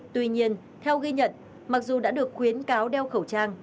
tuy nhiên theo ghi nhận mặc dù đã được khuyến cáo đeo khẩu trang